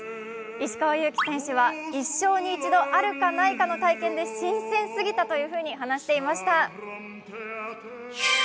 石川祐希選手は、一生に一度あるかないかの体験に新鮮すぎたと話していました。